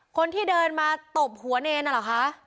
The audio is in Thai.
คนที่เดินมาตบหัวเนรน่ะเหรอคะ